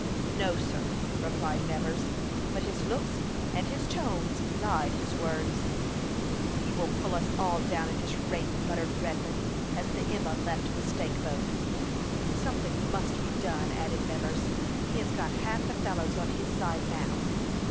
"No, sir," replied Nevers; but his looks and his tones belied his words. "He will pull us all down at this rate," muttered Redman, as the Emma left the stake boat. "Something must be done," added Nevers. "He has got half the fellows on his side now."